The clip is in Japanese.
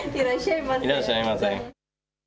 いらっしゃいませ。